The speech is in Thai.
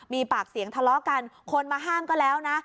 มีปากเสียงทะเลาะกันคนมาห้ามก็แล้วนะ